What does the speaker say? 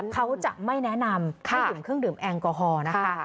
เขาจะไม่แนะนำให้ดื่มเครื่องดื่มแอลกอฮอล์นะคะ